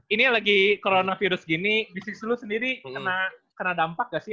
ini lagi coronavirus gini bisnis lo sendiri kena dampak gak sih